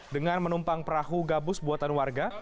dengan menumpang perahu gabus buatan warga